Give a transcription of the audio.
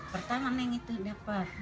pertama yang itu dapat